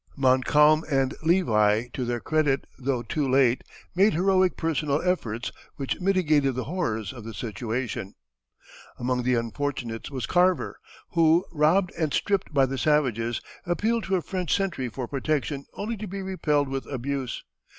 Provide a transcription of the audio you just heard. Montcalm and Levi, to their credit, though too late, made heroic personal efforts which mitigated the horrors of the situation. [Illustration: Indian Tomahawk. (From Carver's Book.)] Among the unfortunates was Carver, who, robbed and stripped by the savages, appealed to a French sentry for protection only to be repelled with abuse.